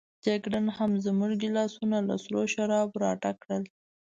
جګړن هم زموږ ګیلاسونه له سرو شرابو راډک کړل.